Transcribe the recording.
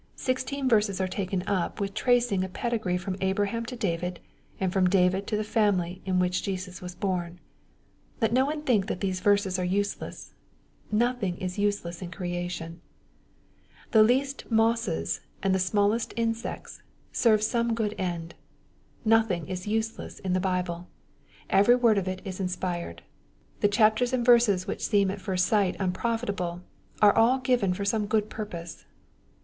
Sixteen verses are taken up with tracing a pedigree from Abraham to David, and from David to the family in which Jesus was bom. Let no one think that these verses are useless. Nothing is useless in creatioiL MATTHEW, CHAP. I. 3 The least mosses, and the smallest insects, serve some good end. Nothing is useless in the Bible. Every wonl of it is inspired. The chapters and verses which seem at first sight Tmprofitable, are all given for some good purpose.